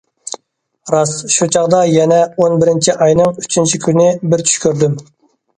راست، شۇ چاغدا، يەنى ئون بىرىنچى ئاينىڭ ئۈچىنچى كۈنى بىر چۈش كۆردۈم!